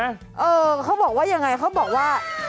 เออเขาบอกว่ายังไงเขาบอกว่า